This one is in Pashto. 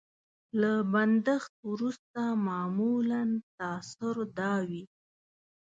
له بندښت وروسته معمولا تاثر دا وي.